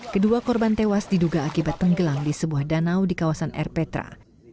kedua korban tewas diduga akibat tenggelam di sebuah danau di kawasan erpetra